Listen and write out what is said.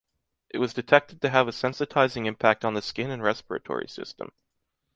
It was detected to have a sensitizing impact on the skin and respiratory system.